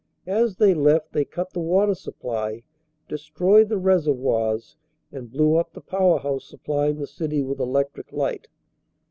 As they left they cut the water supply, destroyed the reservoirs, and blew up the power house supplying the city with electric light.